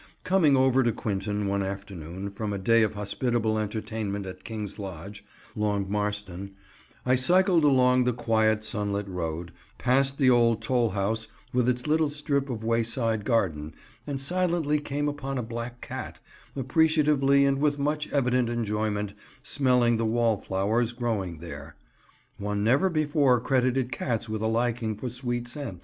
Coming over to Quinton one afternoon, from a day of hospitable entertainment at King's Lodge, Long Marston, I cycled along the quiet sunlit road, past the old tollhouse with its little strip of wayside garden, and silently came upon a black cat, appreciatively and with much evident enjoyment smelling the wall flowers growing there. One never before credited cats with a liking for sweet scents.